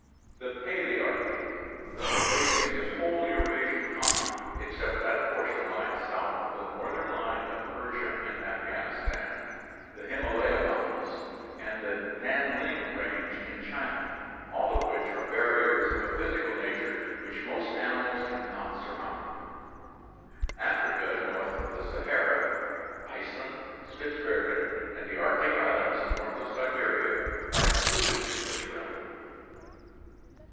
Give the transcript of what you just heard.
The Palearctic (Gr. iraXauk, ancient), embracing the whole Eurasian continent, except that portion lying south of the northern line of Persia and Afghanistan, the Himalaya Mountains, and the Nan ling Range in China, all of which are barriers of a physical nature which most animals can not surmount. Africa north of the Sahara, Iceland, Spitsbergen, and the Arctic islands north of Siberia are included in this realm.